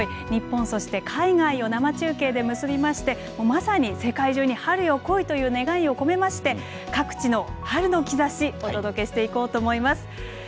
日本、そして海外を生中継で結びましてまさに世界中に「春よ、来い！」という願いを込めまして各地の「春の兆し」お届けしていこうと思います。